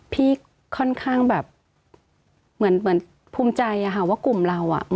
พี่ค่อนข้างแบบเหมือนภูมิใจอะค่ะว่ากลุ่มเรา